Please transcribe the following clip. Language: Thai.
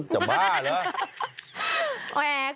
จะบ้าเหรอ